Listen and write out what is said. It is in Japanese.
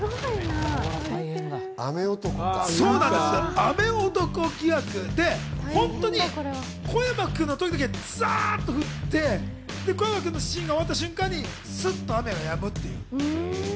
雨男疑惑で小山君の時だけざーっと降って小山君のシーンが終わったときに、スッと雨がやむという。